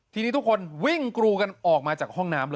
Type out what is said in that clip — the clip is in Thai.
ทีนี้ทุกคนวิ่งกรูกันออกมาจากห้องน้ำเลย